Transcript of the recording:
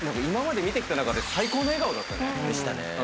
今まで見てきた中で最高の笑顔だったね。